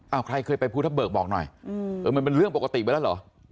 เอาใครเคยไปภูทะเบิกบอกหน่อยเออมันเป็นเรื่องปกติไปแล้วเหรอ